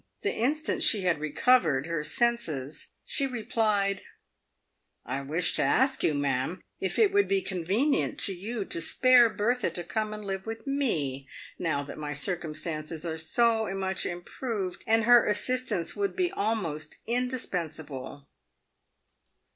The instant she had recovered her senses, she re plied, " I wish to ask you, ma'am, if it would be convenient to you to spare Bertha to come and live with me, now my circumstances are so much improved, and her assistance would be almost indispen sable."